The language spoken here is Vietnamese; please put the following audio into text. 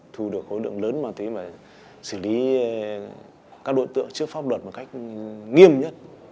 thu được khối lượng lớn ma túy mà xử lý